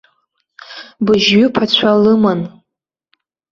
Быжьҩы ԥацәа лыман.